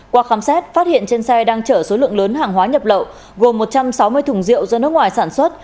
qua khám xét phát hiện trên xe đang chở số lượng lớn hàng hóa nhập lậu gồm một trăm sáu mươi thùng rượu do nước ngoài sản xuất